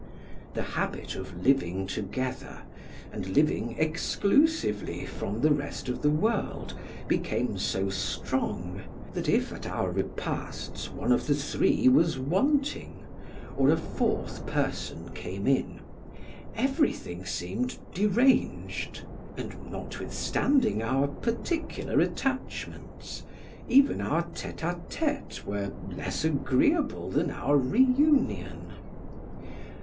The habit of living together, and living exclusively from the rest of the world, became so strong, that if at our repasts one of the three was wanting, or a fourth person came in, everything seemed deranged; and, notwithstanding our particular attachments, even our tete a tete were less agreeable than our reunion.